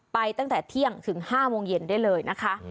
ตั้งแต่เที่ยงถึง๕โมงเย็นได้เลยนะคะ